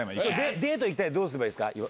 デートどうすればいいですか？